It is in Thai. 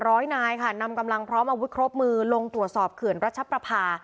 ร้อยนายค่ะนำกำลังพร้อมอาวุธครบมือลงตรวจสอบเขื่อนรัชประพา